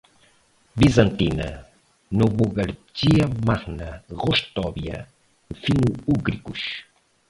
bizantina, Novogárdia Magna, Rostóvia, fino-úgricos